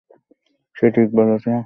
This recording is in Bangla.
সে ঠিক বলেছে, এটা দাপ্তরিক ভাবে অনুমোদিত।